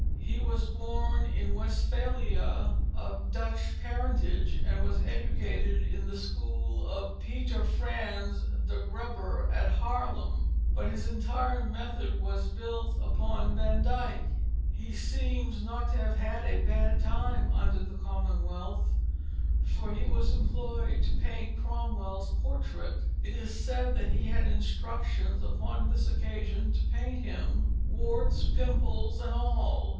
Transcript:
He was born in Westphalia, of Dutch parentage, and was educated in the school of Pieter Fransz de Grebber at Haarlem. But his entire method was built upon Van Dyck. He seems not to have had a bad time under the Commonwealth, for he was employed to paint Cromwell's portrait. It is said that he had instructions upon this occasion to paint him, "warts, pimples, and all."